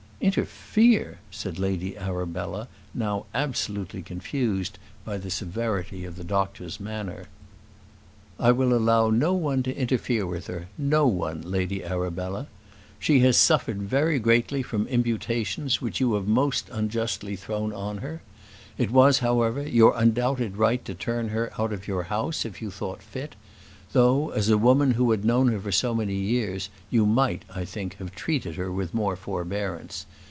"Interfere!" said Lady Arabella, now absolutely confused by the severity of the doctor's manner. "I will allow no one to interfere with her; no one, Lady Arabella. She has suffered very greatly from imputations which you have most unjustly thrown on her. It was, however, your undoubted right to turn her out of your house if you thought fit; though, as a woman who had known her for so many years, you might, I think, have treated her with more forbearance.